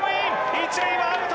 １塁はアウト。